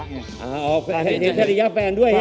เห็นศรีระแฟนด้วย